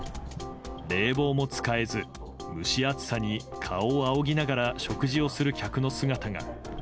冷房も使えず蒸し暑さに顔を仰ぎながら食事をする客の姿が。